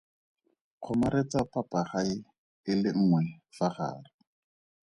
Kgomaretsa papagae e le nngwe fa gare.